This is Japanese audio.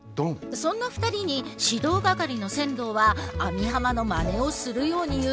そんな２人に指導係の千堂は網浜のまねをするように言う。